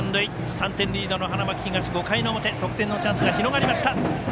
３点リードの花巻東、５回の表得点のチャンスが広がりました。